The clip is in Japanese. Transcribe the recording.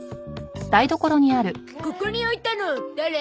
ここに置いたの誰？